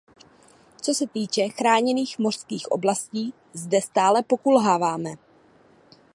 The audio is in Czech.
Co se týče chráněných mořských oblastí, zde stále pokulháváme.